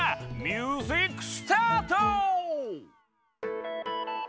ミュージックスタート！